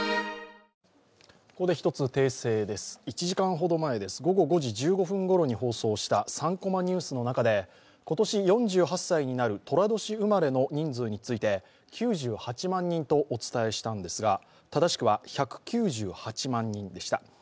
１時間ほど前、午後５時１５分ごろに放送した「３コマニュース」の中で今年４８歳になるとら年生まれの人数について９８万人とお伝えしたんですが正しくは１９８万人でした。